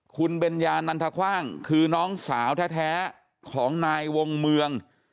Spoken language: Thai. คุณเบญญานันทคว่างคือน้องสาวแท้ของนายวงเมือง